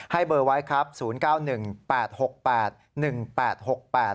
เบอร์ไว้ครับศูนย์เก้าหนึ่งแปดหกแปดหนึ่งแปดหกแปด